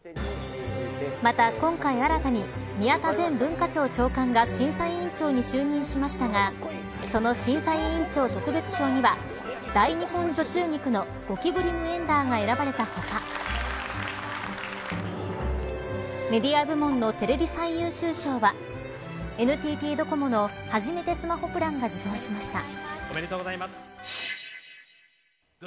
また今回、新たに宮田前文化庁長官が審査委員長に就任しましたがその審査委員長特別賞には大日本除虫菊のゴキブリムエンダーが選ばれた他メディア部門のテレビ最優秀賞はＮＴＴドコモのはじめてスマホプランが受賞しました。